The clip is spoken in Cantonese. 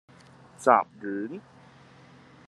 雜丸